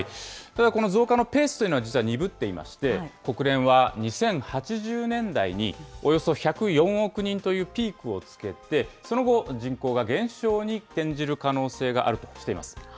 この増加のペースというのは実は鈍っていまして、国連は、２０８０年代におよそ１０４億人というピークをつけて、その後、人口が減少に転じる可能性があるとしています。